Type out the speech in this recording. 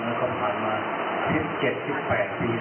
ความหมายเขาพยายามหาเรื่องใจความอยู่ในในใจความ